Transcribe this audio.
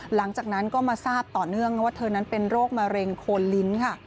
หลังจากนั้นก็มาทราบต่อเนื่องว่าเธอนั้นเป็นโรคมะเร็งโคนลิ้นค่ะ